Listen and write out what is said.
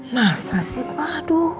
masa sih pak